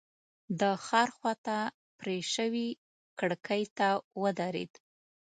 د ښار خواته پرې شوې کړکۍ ته ودرېد.